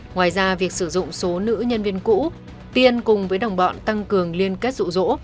ngoài ra việc sử dụng số nữ nhân viên cũ tiên cùng với đồng bọn tăng cường liên kết rụ rỗ